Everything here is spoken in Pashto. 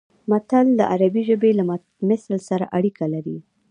متل د عربي ژبې له مثل سره اړیکه لري